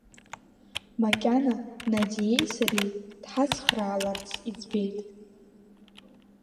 Макьана Надиеи сареи дҳацхрааларц иӡбеит.